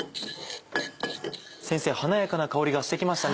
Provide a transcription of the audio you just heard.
先生華やかな香りがして来ましたね。